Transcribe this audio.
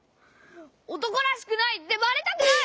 おとこらしくないってバレたくない！